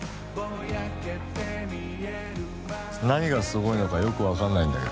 何がすごいのかよくわかんないんだけど。